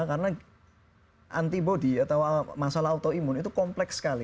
karena antibody atau masalah autoimun itu kompleks sekali